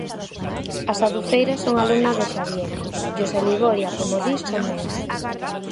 As Adufeiras son alumnas de Xabier e os Aliboria, como dis, son meus.